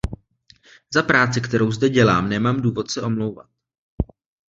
Za práci, kterou zde dělám, nemám důvod se omlouvat.